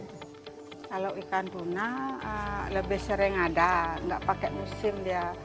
kalau ikan tuna lebih sering ada nggak pakai musim dia